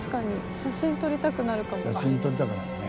写真撮りたくなるよね。